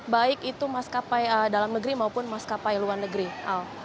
baik itu maskapai dalam negeri maupun maskapai luar negeri al